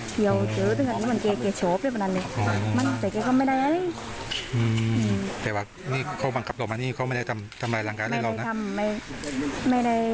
พี่น้องก็อาจจะชอบพี่น้องน้องน้อยจัดการการสวัสดิ์